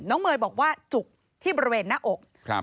น้องเมยบอกว่าจุกที่บริเวณหน้าอก